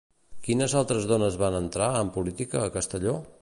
Quines altres dones van entrar en política a Castelló?